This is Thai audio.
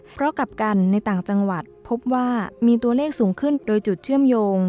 เพราะกลับกันในต่างจังหวัดพบว่ามีตัวเลขสูงขึ้นโดยจุดเชื่อมโยง